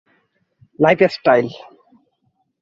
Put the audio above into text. lifestyle